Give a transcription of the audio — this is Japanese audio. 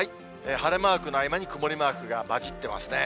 晴れマークの合間に曇りマークが交じってますね。